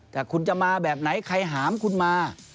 แต่คุณจะมาแบบไหนใครหามคุณมา